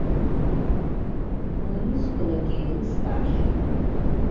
Унызкылогьы еилыскаахьеит.